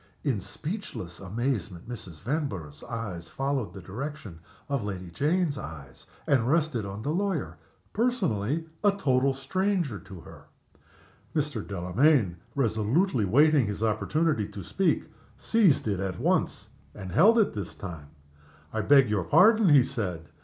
In speechless amazement Mrs. Vanborough's eyes followed the direction of Lady Jane's eyes and rested on the lawyer, personally a total stranger to her. Mr. Delamayn, resolutely waiting his opportunity to speak, seized it once more and held it this time. "I beg your pardon," he said.